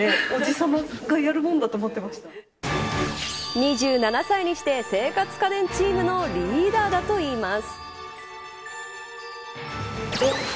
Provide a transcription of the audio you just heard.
２７歳にして生活家電チームのリーダーだといいます。